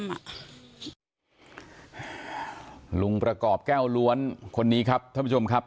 ลุงประกอบแก้วล้วนคนนี้ครับท่านผู้ชมครับ